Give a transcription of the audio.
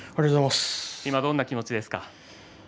今どんな気持ちですか？